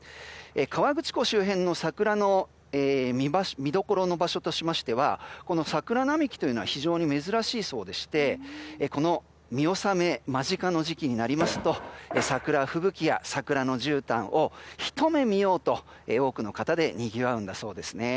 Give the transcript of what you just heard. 河口湖周辺の桜の見どころの場所としましては桜並木というのは非常に珍しいそうでしてこの見納め間近の時期になりますと桜吹雪や桜のじゅうたんをひと目見ようと多くの方でにぎわうんだそうです。